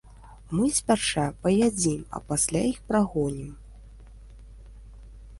Мы спярша паядзім, а пасля іх прагонім.